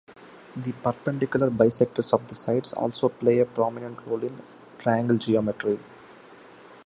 The perpendicular bisectors of the sides also play a prominent role in triangle geometry.